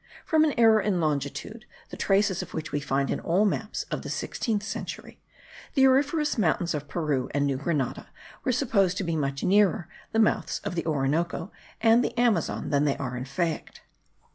From an error in longitude, the traces of which we find in all the maps of the 16th century, the auriferous mountains of Peru and New Granada were supposed to be much nearer the mouths of the Orinoco and the Amazon than they are in fact.